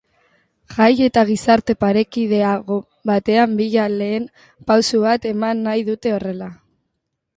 Jai eta gizarte parekideago baten bila lehen pauso bat eman nahi dute horrela.